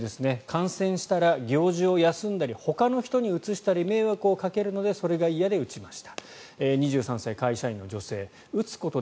感染したら行事を休んだりほかの人にうつしたり迷惑をかけるのでそれが嫌で打ちました。